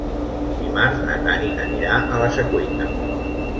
Dimarts na Tanit anirà a la Secuita.